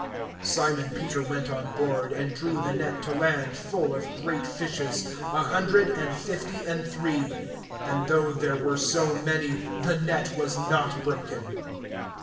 (11)Simon Peter went on board, and drew the net to land full of great fishes, a hundred and fifty and three; and though there were so many, the net was not broken.